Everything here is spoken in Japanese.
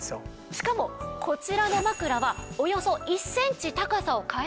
しかもこちらの枕はおよそ１センチ高さを変えてあるんです。